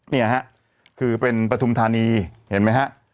เนี่ยฮะคือเป็นปฐุมธานีเห็นไหมฮะ